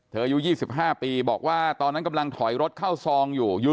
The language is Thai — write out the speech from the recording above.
อายุ๒๕ปีบอกว่าตอนนั้นกำลังถอยรถเข้าซองอยู่